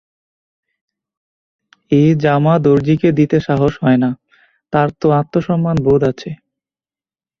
এ জামা দরজিকে দিতে সাহস হয় না, তার তো আত্মসম্মানবোধ আছে।